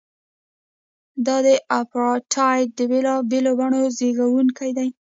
دا د اپارټایډ د بېلابېلو بڼو زیږوونکی دی.